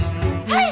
はい！